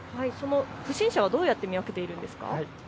不審者はどうやって見分けているんですか。